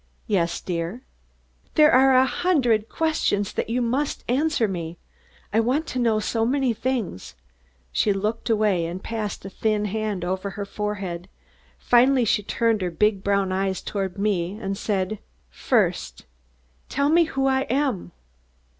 "Yes, dear." "There are a hundred questions then that you must answer me. I want to know so many things." She looked away and passed a thin hand over her forehead. Finally she turned her big brown eyes toward me and said: "First, tell me who I am!"